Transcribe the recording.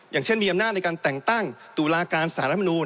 อย่างเช่นมีอำนาจในการแต่งตั้งตุลาการสารรัฐมนูล